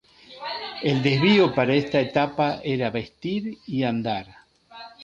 El desvío para esta etapa era Vestir y Andar.